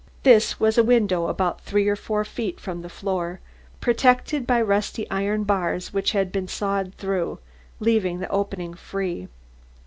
This was a window about three or four feet from the floor, protected by rusty iron bars which had been sawed through, leaving the opening free.